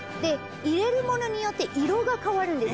入れるものによって色が変わるんです。